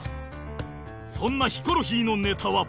そんなヒコロヒーのネタは